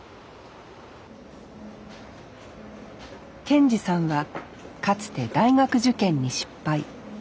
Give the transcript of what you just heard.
健二さんはかつて大学受験に失敗。